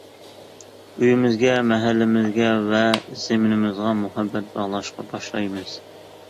ئۆيىمىزگە، مەھەللىمىزگە، ۋە زېمىنىمىزغا مۇھەببەت باغلاشقا باشلايمىز.